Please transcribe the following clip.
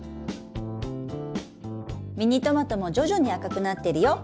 ミニトマトも徐々に赤くなってるよ！